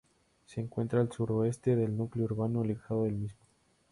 Se encuentra al sureste del núcleo urbano, alejado del mismo.